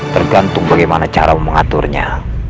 tergantung bagaimana cara mengaturnya